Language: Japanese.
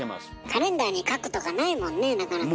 カレンダーに書くとかないもんねなかなか。